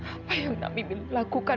apa yang nami melakukan